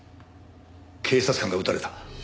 警察官が撃たれた。